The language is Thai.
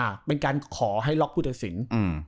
เป็นการขอให้ล็อกผู้ตัดสินอืม